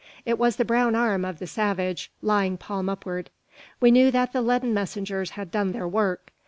It was the brown arm of the savage, lying palm upward. We knew that the leaden messengers had done their work.